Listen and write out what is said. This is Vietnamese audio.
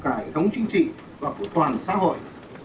là những cái thống chính trị và của toàn xã hội